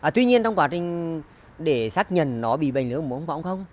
tuy nhiên trong quá trình để xác nhận nó bị bệnh lở mồm long móng không